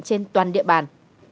trên toàn địa bàn